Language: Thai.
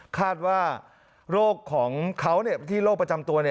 คาดว่าโรคของเขาที่โรคประจำตัว